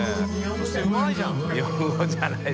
そしてうまいじゃん。）